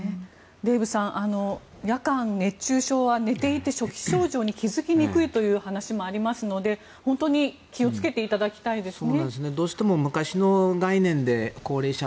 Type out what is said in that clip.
デーブさん、夜間、熱中症は寝ていて初期症状に気付きにくいという話もありますので本当に気をつけていただきたいですね。